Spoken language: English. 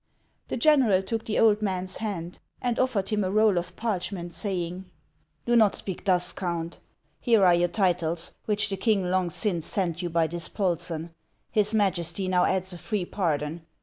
The general took the old man's hand, and offered 526 HANS OF ICELAND. him a roll of parchment, saying :" Do not speak thus, Count. Here are your titles, which the king long since sent you by Dispolseu ; his Majesty now adds a free pardon.